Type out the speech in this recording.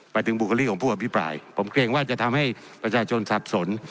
ไปถึงบุคลีของผู้อภิตปลายผมเครียงว่าจะทำให้ประชาชนทรัพย์สน